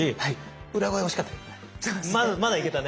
裏声惜しかったけどね。